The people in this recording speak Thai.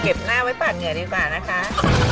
หน้าไว้ปัดเหงื่อดีกว่านะคะ